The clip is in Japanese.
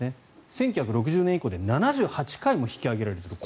１９７０年以降で７８回も引き上げられている。